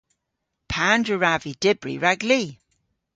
Pandr'a wrav vy dybri rag li?